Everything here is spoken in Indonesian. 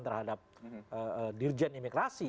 terhadap dirjen imigrasi